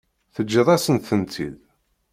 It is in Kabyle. Teǧǧiḍ-asen-tent-id.